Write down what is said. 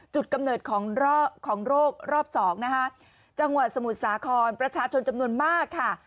กำเนิดของโรครอบสองนะคะจังหวัดสมุทรสาครประชาชนจำนวนมากค่ะ